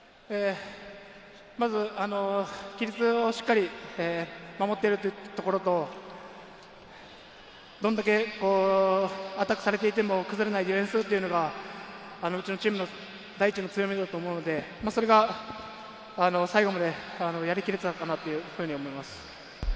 規律をしっかり守っているところと、どんだけアタックされていても崩れないディフェンスっていうのがうちのチームの第一の強みだと思うので、それが最後までやり切れたなっていうふうに思います。